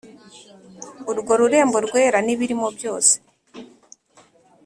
urwo rurembo rwera n'ibirimo byose